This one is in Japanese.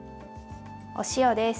お塩です。